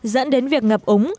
dẫn đến việc ngập ống